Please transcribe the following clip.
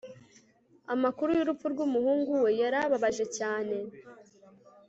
Amakuru yurupfu rwumuhungu we yarababaje cyane